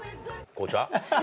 紅茶？